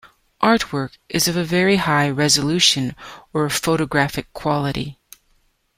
Artwork is of a very high resolution or of photographic quality.